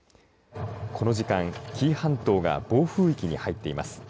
この時間、紀伊半島が暴風域に入っています。